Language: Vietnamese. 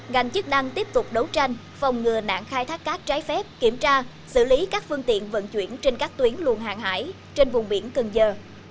ngành chức năng tiếp tục đấu tranh phòng ngừa nạn khai thác cát trái phép kiểm tra xử lý các phương tiện vận chuyển trên các tuyến luồng hàng hải trên vùng biển cần giờ